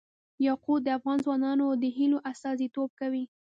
یاقوت د افغان ځوانانو د هیلو استازیتوب کوي.